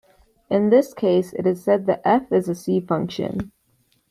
In this case, it is said that "f" is a C function.